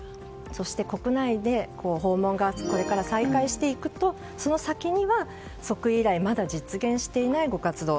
国内で訪問が再開していくとその先には即位以来まだ実現していないご活動。